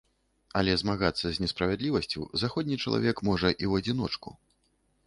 Але змагацца з несправядлівасцю заходні чалавек можа і ў адзіночку.